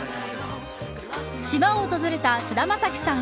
島を訪れた菅田将暉さん